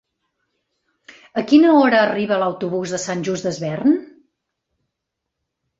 A quina hora arriba l'autobús de Sant Just Desvern?